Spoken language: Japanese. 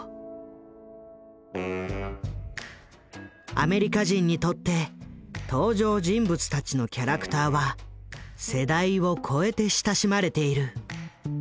アメリカ人にとって登場人物たちのキャラクターは世代を超えて親しまれている。